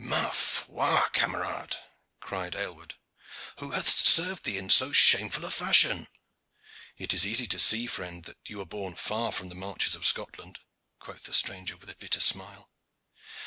"Ma foi, camarade!" cried Aylward. "Who hath served thee in so shameful a fashion?" "It is easy to see, friend, that you were born far from the marches of Scotland," quoth the stranger, with a bitter smile.